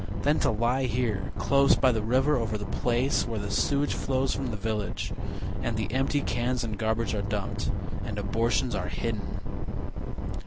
Then to lie here close by the river over the place Where the sewage flows from the village, And the empty cans and garbage are dumped, And abortions are hidden.